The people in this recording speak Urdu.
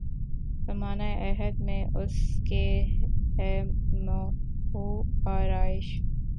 زمانہ عہد میں اس کے ہے محو آرایش